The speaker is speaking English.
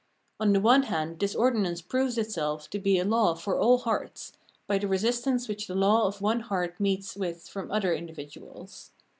On the one hand this ordinance proves itself to be a law for all hearts, by the resistance which the law of one heart meets with from other individuals.